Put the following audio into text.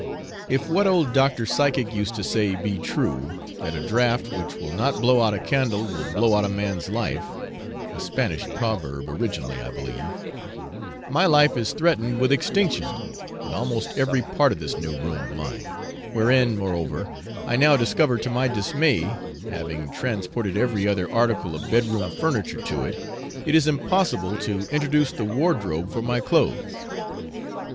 If what old Dr. Physic used to say be true, that a draught which will not blow out a candle will blow out a man's life, (a Spanish proverb originally I believe) my life is threatened with extinction in almost every part of this new room of mine, wherein, moreover, I now discover to my dismay, having transported every other article of bed room furniture to it, it is impossible to introduce the wardrobe for my clothes.